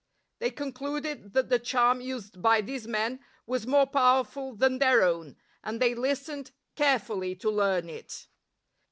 They concluded that the charm used by these men was more powerful than their own, and they listened carefully to learn it.